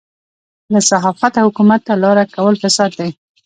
له صحافته حکومت ته لاره کول فساد دی.